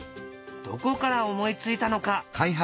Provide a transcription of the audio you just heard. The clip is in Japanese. どこから思いついたのか。